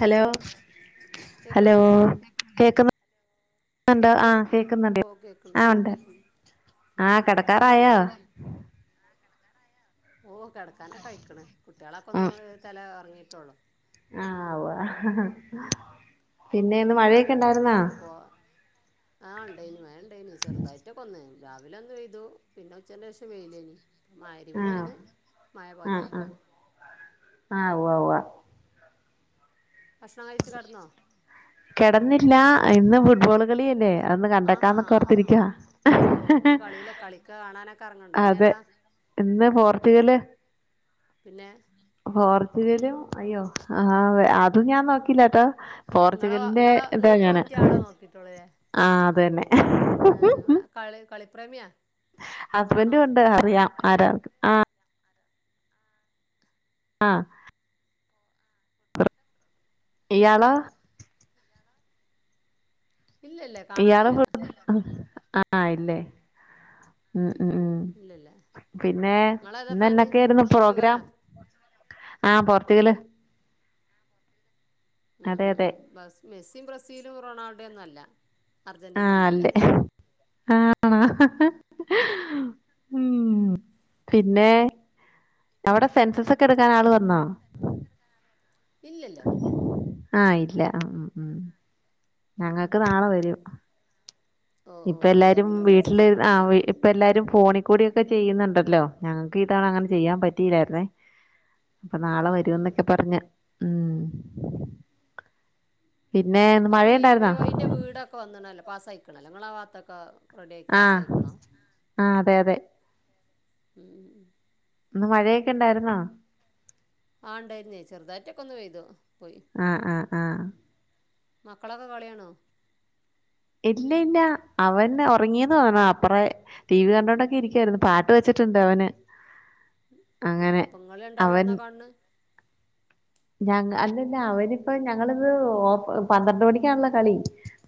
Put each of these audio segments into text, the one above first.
Hello hello കേൾക്കണില്ലേ കേക്ക് ന്നുണ്ടോ കേൾക്കണ് ആഹ് കേക്കുന്നുണ്ട് ഓ കേൾക്കണ് ആഹ് ഉണ്ട്. ആഹ് സുഖമല്ലേ കടക്കാറായോ? ഓഹ് കടക്കാനൊക്കയ്ക്ക്ണ് കുട്ട്യെളൊക്കൊന്ന് ഉം ഒര് തല ഒർങ്ങിട്ടൊള്ളൂ. ആഹ് ഉവ്വ പിന്നെ ഇന്ന് മഴയൊ അപ്പോ ആഹ് ഉണ്ടെയ്നി മഴ ണ്ടേനി ചെറർതായിട്ടൊക്കൊന്ന് രാവിലൊന്ന് പെയ്തു പിന്നെ ഉച്ചന്റെഷം വെയ്ലേനി. ആഹ് മഗ്റിബിനൊന്നു മഴ ആഹ് പാറ്റിപ്പോയി. ആഹ് ആഹ് ഉവ്വ ഉവ്വ. ഭക്ഷണം കഴിച്ച് കട്ന്നോ? കെടന്നില്ല ഇന്ന് ഫുട്ബോൾ കളിയല്ലേ അതൊന്ന് കണ്ടെക്കാന്നൊക്കൊർത്തിരിക്കാ. ഓഹ് ഇന്ന് കളില കളിക്ക കാണാനൊക്കെർങ്ങ്ണ്ടോ അതെ ഇന്നേതാ? ഇന്ന് പോർച്ചുഗല്. പിന്നെ പോർച്ചുഗലും അയ്യോ ആ തെ അതും ഞാൻ നോക്കില്ലാട്ടോ നിങ്ങളെ പോർച്ചുഗലിന്റെ നിങ്ങളെ നിങ്ങൾക്ക് ഇതാഞാന് പറ്റിയ ആളെ ആഹ് അതെന്നെ. ആഹ് കളി കളിപ്രേമ്യ കാണോ? ആഹ് അറിയാം. ആരാന്നൊക്കെ ആഹ് ആഹ് ഇയാളോ? ഇല്ലല്ല ഇയാള് ഫുട് ആഹ് ഇല്ലേ ഉം ഉം ഉം ഇല്ലല്ല പിന്നെ നിങ്ങളേതാ ഫാന് ഇന്നെനെക്കെയിര്ന്നു പ്രോഗ്രാം? പോർച്ചുഗലാ ആഹ് പോർച്ചുഗല്. ഉം അതെ ഉം അതെ ഉം ബസ് മെസ്സി ബ്രസീലും റൊണാൾഡ്യൊന്നല്ല. ആഹ് അല്ലേ ആണോ ഉം പിന്നെ അവടെ സെൻസസൊക്കെട്ക്കാൻ ആള് വന്നോ? ഇല്ലല്ലോ ആഹ് ഇല്ല ആ ആ ആ ഉം ഉം ഞങ്ങക്ക് നാളെ വരും ഓ ഓ ഇപ്പ എല്ലാരും പഞ്ചായത്തിൻ്റെ വീട്ടില് സെൻസസൊക്കെ ആ ഉണ്ടല്ലേ വി ഇപ്പ എല്ലാരും ഫോണിൽ കൂടിക്കെ ചെയ്യുന്നുണ്ടല്ലോ ഞങ്ങൾക്ക് ഈതവണ അങ്ങനെ ചെയ്യാൻ പറ്റില്ലാരുന്നേ അപ്പൊ ആ നാളെ ആ ആ വരുന്നൊക്കെ പറഞ്ഞ ഉം പിന്നെ ഇന്ന് ഇപ്പൊ പി എം എ മഴയുണ്ടായിരുന്നോ വൈന്റെ വീടൊക്കെ വന്നണല്ലോ പാസ്സയിക്കണല്ലോ ഇങ്ങള വാത്തൊക്കെ റെഡി ആഹ് പാസായിക്കണോ ആഹ് അതെ അതെ ഇന്ന് മഴയൊക്കെ ഇണ്ടായിരുന്നോ ആ ഉണ്ടായിരുന്നേ ചെറുതായിട്ടൊക്കെ ഒന്ന് വയ്തോ പോയി ആ ആഹ് ആഹ് മക്കളൊക്കെ കളിയണോ ഇല്ല ഇല്ല അവൻ ഉറങ്ങിയന്ന് തോന്നാണ് അപ്പറേ ടി വി കണ്ടുകോണ്ടൊക്കെ ഇരിക്കായിരുന്നു പാട്ട് വെച്ചിട്ടുണ്ട് അവന് അങ്ങനെ അപ്പം നിങ്ങൾ രണ്ടാളും അവൻ എവിടുന്നാ കാണുന്നത് ഞ അല്ലല്ല അവനിപ്പ ഞങ്ങളിത് ഓ പന്ത്രണ്ട് മണിക്കാണല്ലോ കളി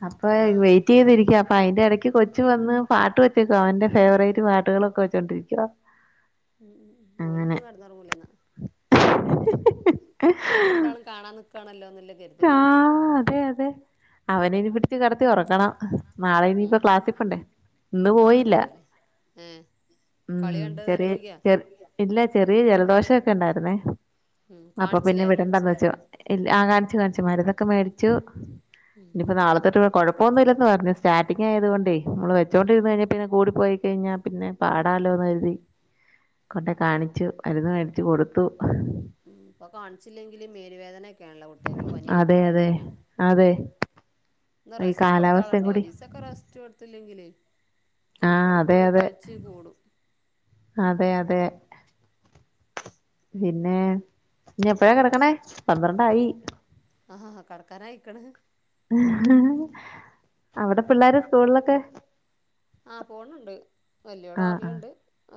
അപ്പൊ ആ ആ വെയിറ്റ് ചെയ്തിരിക്ക അപ്പ അയിന്റെ ഇടയ്ക്ക് കൊച്ചു വന്ന് പാട്ട് വെച്ചേക്കോ അവന്റെ ഫേവറേറ്റ് പാട്ടുകളൊക്കെ വെച്ചോണ്ടിരിക്കുവ മം മ്മ് ഓലന്നും കടന്നറങ്ങൂലന്നാ ഇങ്ങള് രണ്ടാള് കാണാ നിക്കാണല്ലോ എന്നല്ല കരു യാ ആ അതെ അതെ അവന് ഇനി ച് കടത്തി ഉറക്കണം നാളെ ഇനിയിപ്പ ക്ലാസ്സി പോണ്ടേ ഇന്ന് ആ് പോയില്ല രാവിലെ ഏഹ് കളി ഉം കണ്ട ചെറിയ നേരം വയ്ക്യോ ചെറി ഇല്ല ചെറിയ ജലദോഷക്കെ ഉണ്ടായിരുന്നേ ഉം അപ്പൊ പിന്നെ കാണിച്ചില്ലേ വിടണ്ടന്ന് വെച്ചു ല്ല ആ കാണിച്ചു കാണിച്ചു മരുന്നൊക്കെ മേടിച്ചു ഉം ഇനിയിപ്പോ നാളെത്തൊട്ട കുഴപ്പൊന്നുമില്ലെന്ന് പറഞ്ഞു സ്റ്റാറ്റിങ് ആയത് കൊണ്ടേ നമ്മള് വെചോണ്ടിരുന്നു കഴിഞ്ഞാൽ പിന്നെ കൂടി പോയി കഴിഞ്ഞാൽ പിന്നെ ആ പാടാലോന്ന് കരുതി കൊണ്ട കാണിച്ചു അരുന്ന് മേടിച്ചു കൊടുത്തു ഉ ഇപ്പൊ കാണിച്ചില്ലെങ്കിലും മേലുവേദനയൊക്കെയാണല്ലോ കുട്ടികാക്ക് പനി അതെ വരുന്നത് അതെ അതെ ന്ന് ഈ റെസ്റ്റ് കാലാവസ്ഥയും കൊടുത്താളണ്ടേ കൂടി ഒരീസക്കോ ഒക്കെ റസ്റ്റ് കൊടുത്തില്ലെങ്കിലെ ആഹ് കുട്ടള് അതെ പോയി അതെ കളിച്ച ച്ച് കൂടു അതെ അതെ പിന്നെ ഇനി എപ്പഴാ കിടക്കണേ പന്ത്രണ്ടായി ആഹാ ആ കടക്കാനയിക്കണ് അവിടെ പിള്ളര് സ്കൂളിലൊക്കെ ആ പോണുണ്ട് വല്യോള് ആഹ് ആഹ് ആറിലുണ്ട്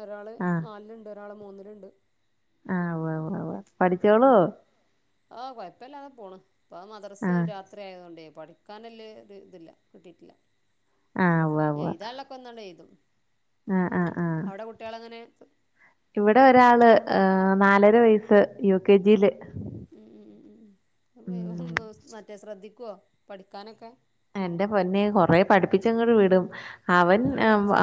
ഒരാള് നാലിലുണ്ട് ഒരാള് മൂന്നിലുണ്ട് ആ വ്വ് വ്വ് വ്വാ ഉം ആഹ കൊഴപ്പില്ലാതെ പോണ് ഇപ്പ മദ്രസ് ആഹ് രാത് അത്ര ആയതുകൊണ്ടേ പഠിക്കാനൻല്ലേ ഇതില്ല കിട്ടിയിട്ടില്ല ആഹ് ഉവ്വ ഉവ്വ ചെയ്താുള്ളൊക്കെ എന്താണ്ട് ചെയ്തു ആഹ് ആഹ് ആഹ് അവിടെ കുട്ടികള അങ്ങനെ ഇവിടെ ഒരാള് നാലര വയസ്സ് യു കെ ജിയില് ഉം ഉ ഉ ഉം ഉ മറ്റേ ശ്രദ്ധിക്കുവോ പഠിക്കാനൊക്കെ എന്റെ പൊന്നെ കൊറെ പഠിപ്പിച്ചങ്ങോട് വിീടും അവൻ ഇങ്ങള് പഠിച്ചു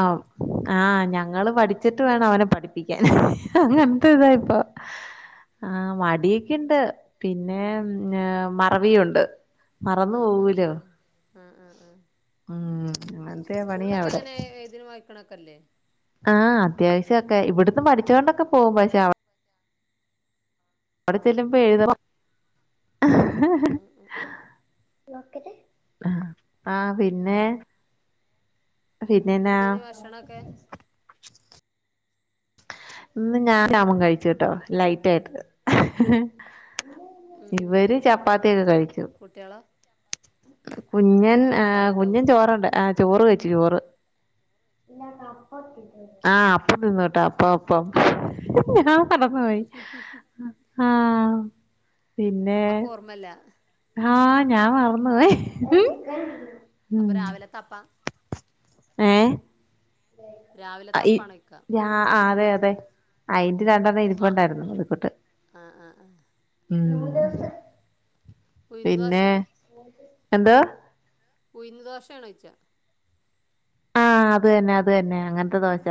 ആഹ് ഞങ്ങള് പഠിച്ചിട്ട് വേണം അവനെ പഠിപ്പിക്കാൻ അങ്ങനത്തെ ഇതാ ഇപ്പ ആ മടിയൊക്കെുണ്ട് പിന്നെ ഉം മറവിയുംുണ്ട് മറന്നു പോകൂലോ ആ ആ ആ ആ ആഹ് സ്കൂളിലൊക്കെ അങ്ങനെ ഏതിനും വായിക്കണക്കെല്ലേ ആഹ് അത്യാവശ്യൊക്കെ ഇവിടന്ന് പഠിച്ചുകൊണ്ടൊക്കെ പോകുമ്പ പക്ഷേ അവിടെ ചെല്ലുമ്പൊ എഴുത ആഹ് ആഹ് ആഹ് ആഹ് ആഹ് ആഹ് പിന്നെ പിന്നെന്നാ [unintelligible] ഭാഷണക്കെ ഇന്ന് ഞാൻ ശാമം കഴിച്ചുട്ടോ ലൈറ്റ് ആയിട്ട് ഉം ഉം ഇവര് ചപ്പാത്തിയൊക്കെ കഴിക്കും [unintelligible] ഉം കുഞ്ഞൻ ഉം ആഹ കുഞ്ഞൻ കറിണ്ടാവോ ചോറുണ്ട് ആഹ് ചോറ് കയ്ച്ചു ചോറ് ആഹ് അപ്പ നിന്നട്ടാ അപ്പ അപ്പം [unintelligible] പിന്നെ ഒന്നുല്ലാ ആഹ് ഞാൻ മറന്ന് പോയി അപ്പൊ രാവിലെ അപ്പ ഏ രാവിലത്തപ്പാണോയ്ക്കാ അതെ അതെ അയിന്റെ രണ്ടെണ്ണം മാ ഇരിപ്പുണ്ടായിരുന്നു അതിക്കൊട്ട് ആഹ് ആഹ് ആഹ് ഉം ഉഴുന്ന് ദോശ പിന്നെ എന്താ ഉഴുന്ന് ദോശയാണൊഴിച്ചെ അതുതന്നെ അത് തന്നെ അങ്ങനത്തെ ദോശ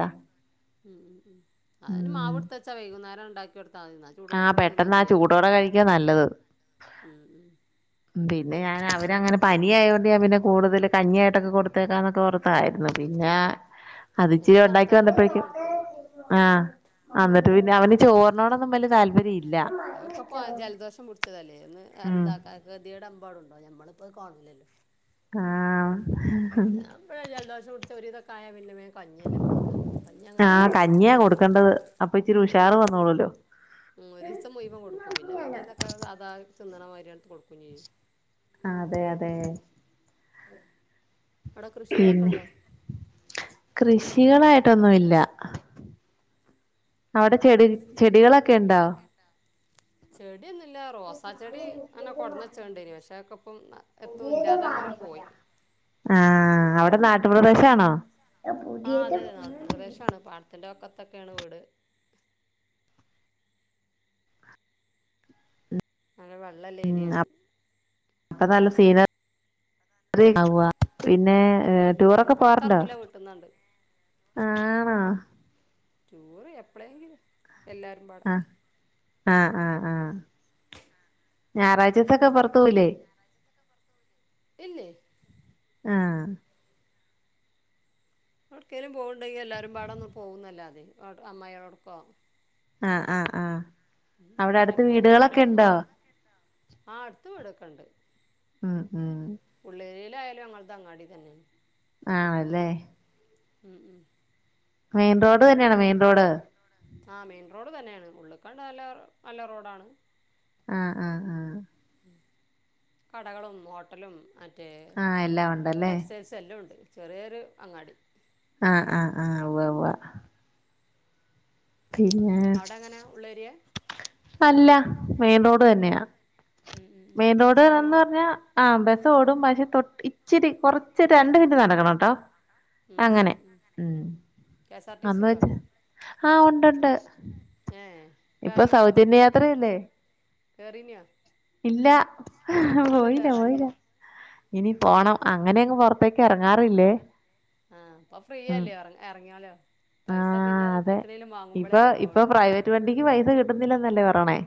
ഉം അതിന് ഉം മാവിടുത്ത വച്ചാ വൈകുന്നേരം ഉണ്ടാക്കി കൊടുത്താൽ മതി ആഹ് ചൂടോട്ക്കനെ തിന്നും പെട്ടെന്ന് ആഹ് ചെയ്യാലോ ചൂടോടെ കഴിക്കാ നല്ലത് ഉം ഉം ഉം പിന്നെ ഞാൻ അവരങ്ങെ പനിയായോണ്ട് ഞാൻ പിന്നെ കൂടുതൽ കഞ്ഞിയായിട്ടൊക്കെ കൊടുത്തേക്കാന്നൊക്കെ ഓ കായിരുന്നു പിന്നെ അത്ച്ചിരി പിന്നെ ഉണ്ടാക്കി തണുത്തതന്നെ പിന്നിം വന്നപ്പോഴേക്കും കൊടുത്ത് ആഹ് എന്നിട്ട് പിന്നെ അവന് ചോറിനോടൊന്നും വലിയ താല്പര്യം ഇല്ല അത് ഇപ്പൊ ജലദോഷം പുടിച്ചതല്ലേ എന്ന് ഉം ഇതാക്ക ഗതിയുടെ അമ്പാടുണ്ടോ ഞമ്മളിപ്പോ കോണില്ലല്ലോ ആഹ [unintelligible] ജലദോഷം പുടിച്ചച്ച് ഒരുരിതൊയ പിന്നേ കഞ്ഞി തന്നെ കൊടുക്ക കഞ്ഞി അങ്ങനെ ആഹ് കൊടുക്കും കഞ്ഞിയാ കൊടുക്കേണ്ടത് അപ്പൊ ഇച്ചിരി ഒരു ഉഷാറ് വന്നോളൂല്ലോ ദിവസം മുഴുവം കൊടുക്കും പിന്നെ പിറ്റേന്നൊക്കെ സാധാ നിന്നാണ മാതിരിയാടുത്ത് കൊടുക്കും ചെയ്യും ആഹ് അതെ അതെ അവിടെ കൃഷികളൊക്കെ പിന്നെ ഉണ്ടോ കൃഷികളായിട്ടൊന്നുമല്ല അവിടെ ചെടി ചെടികളൊക്കെ ഉണ്ടോ ചെടിയൊന്നുല്ല റോസാ ചെടി അങ്ങനെ കൊടന്ന വെച്ച പക്ഷേക്കെ ഇപ്പം ഒറ്റയില്ല അതങ്ങനെ പോയി ആഹ് അവിടെ നാട്ടുപ്രദേശം ആണോ? ആഹ അത് അതെ നാട്ടിൻ പ്രദേശമാണ് പാടത്തിന്റെ വക്കത്തൊക്കെയാണ് വീട്. അങ്ങനെ വെള്ളല്ല ഏരിയാണ്. അതാണ് നല്ല സീന ആവു- പിന്നെ ഉം, ഉം. അതിന് ടൂറൊക്കെ പോവാറുണ്ടോ പുറത്തിറങ്ങൂല വീട്ടിൽ നിന്നുണ്ട് ആണോ- ടൂർ എപ്പളെങ്കിലും എല്ലാവരും പാടെ- ആഹ് ആഹ് ആഹ് ഞായറാഴ്ചക്കൊകെ പുറത്തു പോവുല്ലേ? ഇല്ലേ. ആഹ എവിടക്കേലും പോകുന്നുണ്ടെങ്കിൽ എല്ലാവരും പാടൊന്നും പോകുന്നല്ലാ മതി അമ്മായിയോടൊപ്പം- ആഹ് ആഹ് ആഹ് അവിടെ അടുത്ത് മുലപ്പം വീടുകളൊക്കെ ഉണ്ടോ? ആഹ് അടുത്ത് വീട് ഒക്കെയുണ്ട്. ഉം ഉം ഉള്ളേരിയിൽ ആയാലും ഞങ്ങളുടെ അങ്ങാടി തന്നെയാണ്. ആണല്ലേ. ഉം ഉം. മെയിൻറോഡ് തന്നെയാണ് മെയിൻ റോഡ്. ആ മെയിൻ റോഡ് തന്നെയാണ് ഉള്ളിക്കാണ്ട് നല്ല നല്ല റോഡാണ്. ആഹ് ആഹ് ആഹ്... കടകളും ഹോട്ടലും മറ്റേ ആഹ് എല്ലാം ഉണ്ടല്ലേ കസ്- ല്ലാ ഉണ്ട് ചെറിയൊരു അങ്ങാടി. ആഹ് ആഹ് ആഹ് ഉവാ ഉവാ. പിന്നെ അവിടെ എങ്ങനെ ഉള്ള ഏരിയ അല്ല മെയിൻറോഡ് തന്നെയാ- ഉം ഉം ഉം മെയിൻ റോഡ് ബസ്സൊക്കെ എന്ന് പോണോ പറഞ്ഞാൽ ആ ബസ്സോടും പക്ഷെ തൊട്ട് ഇച്ചിരി കൊറ- ച്ച് രണ്ട് മിൻറ്റ് നടക്കണോട്ടോ ഉം ഉം അങ്ങനെ ഉം ഉം- K S R T C അമ്മ ഉണ്ടോ [unintelligible] ആഹ് ഒണ്ടൊണ്ട്. ഏ ഇപ്പൊ സൗജന്യ യാത്രയല്ലേ? കേറീന്യോ? ഇല്ല ഹ് പോയില്ല കേറാഞ്ഞ് പോയില്ല. ഇനി പോണം അങ്ങനെയങ്ങ് പൊറത്തേക്ക് എറങ്ങാറില്ലേ. ആഹ് പ്പൊ ഫ്രീയല്ലേ എറ എറങ്ങിയോല് പൈസ പിന്നെ ആഹ് എത്രേലും വാങ്ങുമ്പോളേ ചെലവാവുള്ളൂ. റ്റുവണ്ടിക്ക് പൈസ കിട്ടുന്നില്ലെന്നല്ലേ പറേണെ.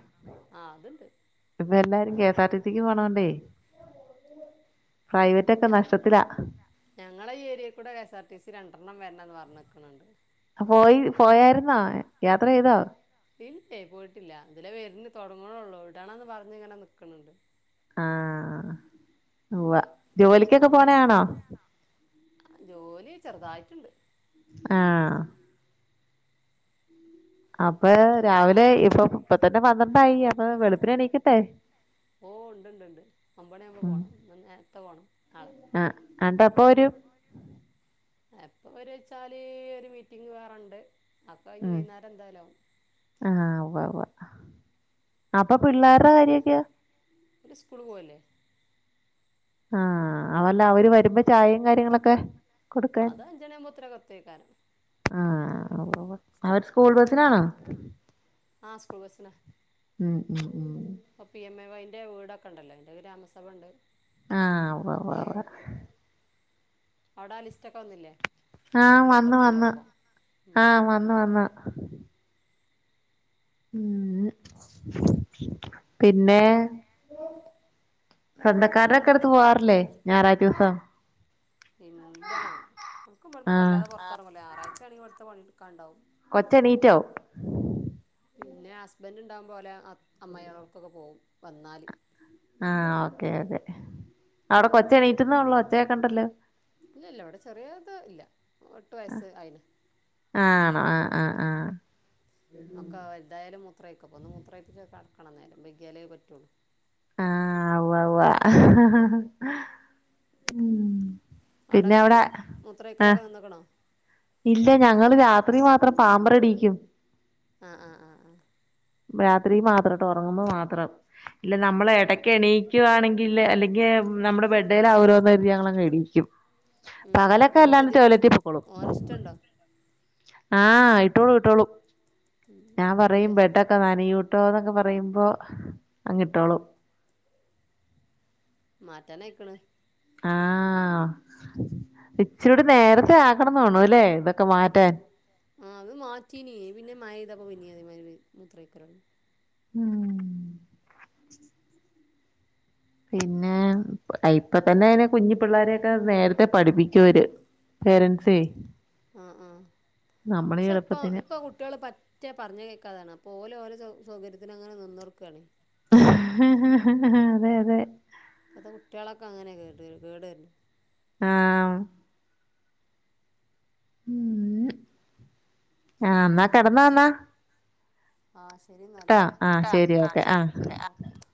ആഹ് അത്ണ്ട്. ഇപ്പോ എല്ലാരും കെസാർടിസിക്ക് പോണോണ്ടെ. പ്രൈവറ്റക്കെ നഷ്ടത്തിലാ- ഞങ്ങള ഈ ഏരിയേകൂടെ ഏസാർടിസി രണ്ടെണ്ണം വരണന്ന് പറഞ്ഞ്ക്കണ് പോയി പോയാരുന്നോ യാത്ര ചെയ്തോ. ഇല്ലേ പോയിട്ടില്ല ഇതിലെ വരണ് തൊടങ്ങുണള്ളൂ വിടണന്ന് പറഞ്ഞ്ങ്ങനെ നിക്ക്ണ് ണ്ട്. ആഹ് ഉവ്വ ജോലിക്കെക്കെ അപ്പം പോണയാണോ? ജോലി ചെറുതായിട്ടുണ്ട്. ആഹ്... അപ്പ രാവിലെ ഇപ്പൊ ഇപ്പ തന്നെ പന്ത്രണ്ടായി അപ്പൊ വെളുപ്പിനെണീക്കണ്ടെ- ഓ ണ്ട്ണ്ട്ണ്ട് ഒമ്പണിയാവുമ്പോ പോണം ന്ന് നേരത്തെ പോണം നാളെ- ആ ആണ്ട്ട് എപ്പൊ വരും. എപ്പോ വരു വെച്ചാല് ഒരു മീറ്റിംങ് വേറണ്ട് ആ കഴിഞ്ഞ് ഉം വൈകുന്നേരം എന്തായാലാകും. ആഹ് ഉവ്വവ്വാ അപ്പൊ പിള്ളേറെ കാര്യൊക്കെ- അവര് സ്കൂള് പോവല്ലേ. ആഹ് അല്ല അവര് വരുമ്പോ ചായേം കാര്യങ്ങളെക്കെ- [unintelligible] ആഹ് അവര് സ്കൂൾ ബസിനാണോ- ആഹ് സ്കുൾ ബസ്സില ഉം ഉം ഉം പ്പ പി എം എ വൈ ഇന്റെ വീടൊക്കെണ്ടല്ലോ അയ്ന്റെ ഗ്രാമസഭണ്ട് ആഹ് ഉവ്വവ്വവ്വ അവിടാ ലിസ്റ്റക്കെ വന്നില്ലേ? ആഹ് എല്ലായിടത്തും വന്ന് എത്തിണ്ടാവും വന്ന് ഇപ്പോൾ ഉം. ആഹ് വന്ന് വന്ന് ഉംഹ് പിന്നെ സ്വന്തക്കാർറെക്കെടുത്ത് പോവാറില്ലേ ഞായറായ്റ്റോസം? ഇല്ല ഇൻക്കുബ്ടുന്ന് ആഹ് വല്ലാതെ പൊറത്താറങ്ങൂല്ല ആറാഴ്ചാണെങ്കി ഇവ്ടുത്തെ പണിട്ക്കാണ്ടാവും. കൊച്ചെണീറ്റോ? പിന്നെ ഹസ്ബൻഡ്ണ്ടാവുംബോലെ അ അമ്മായേളട്ക്കൊക്കെ പോവും വന്നാൽ ആഹ് ഓക്കേ ഓക്കേ അവിടെ കൊച്ചെണീറ്റെന്നോള്ളു ഒച്ചകേക്കണ്ടല്ലോ? ഇല്ലില്ല ഇവിടെ ചെറിയേത് ഇല്ല എട്ട് വയസ്സ് അയിന് ആണോ ആഹ് ആഹ് ആഹ് നക്ക വൽതായാലും മുത്രയ്ക്കപ്പം ഒന്ന് മുത്രയപ്പിച്ച് കടക്കണം നേരം വൈക്യാലേ പറ്റുള്ളൂ ആഹ് ഉവ്വ ഉവ്വാ അഹ്ആഹ് പിന്നെ അവിടെങ്ങനെ അവിടെ ആഹ് മുത്രയ്ക്കലൊക്കെ നിന്ന്ക്ക്ണോ? ഇല്ല ഞങ്ങള് രാത്രി മാത്രം പാമ്പറ് ഇടീക്കും. ആഹ് ആഹ് അ ആഹ് രാത്രി മാത്രട്ടോ ഒറങ്ങുമ്പം മാത്രം. ഇല്ലെ നമ്മളെട കെണീക്കുവാണെങ്കില് അല്ലെങ്കി നമ്മടെ ബെഡേലാവല്ലോന്ന് കരുതി ഞങ്ങളെണീക്കും. ഉം ഉം പകലൊക്കെ ഓന് അല്ലാണ്ട് കതി ടോയ്ളറ്റി പൊക്കോളും. ഓന് ഇഷ്ടമുണ്ടോ ആഹ് ഇട്ടോളൂ ഇട്ടോളും ഉം ഞാൻ പറയും തരക്കേടില്ല ബേട്ട ഒക്കെ നനയൂട്ടോ എന്നൊക്കെ പറയുമ്പോ അങ്ങിട്ടോളും. മാറ്റാനായിക്ണ്. ആഹ്. ഇച്ചിരൂടെ നേരത്തെ ആക്കണം തോന്നുണൂല്ലേ ഇതൊക്കെ മാറ്റാൻ. ആഹ് അത് മാറ്റീനീ പിന്നെ മയയ്തപ്പൊ പിന്നീ അതേ മായ്രി മെൽ മുത്രയ്ക്കലൊ ഉംഹ് പിന്നെ അയ് ഇപ്പ തന്നെ അയിന് കുഞ്ഞി പിള്ളോരെയൊക്കെ നേരത്തെ പഠിപ്പിക്കോര്. പേരൻസേ ആഹ് ആഹ്. നമ്മളെ ക്ഷെ പ്പം എളുപ്പത്തിന് ഇപ്പ കുട്ടിയേള് പ റ്റേ പറഞ്ഞേ കേക്കാതാണ്. അപ്പോ ഓൽ ഓലെ സൗ സൗകര്യത്തിനങ്ങനെ നിന്നൊട്ക്കാണെ. ആഹ് അതെ അതെ ഇപ്പത്തെ കുട്ടിയേളൊക്കെ അങ്ങനെ കേട് കേടര്നെ ആഹ് ഉം ആഹ് ന്നാ കെടന്നോന്നാ ആഹ് സെരി ഇന്നാല് ആഹ് ട്ടോ ശരി ആഹ് ഓക്കെ ശെരി [unintelligible]